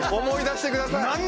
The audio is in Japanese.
思い出してください！